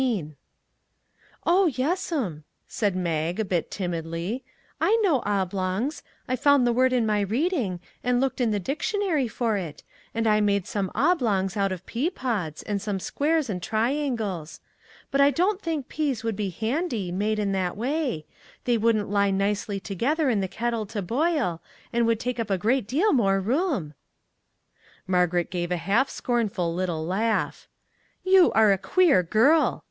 183 MAG AND MARGARET "Oh, yes'm," said Mag, a bit timidly; "I know oblongs ; I found the word in my reading, and looked in the dictionary for it, and I made some oblongs out of pea pods, and some squares and triangles; but I don't think peas would be handy, made in that way; they wouldn't lie nicely together in the kettle to boil, and would take up a great deal more room." Margaret gave a half scornful little laugh. " You are a queer girl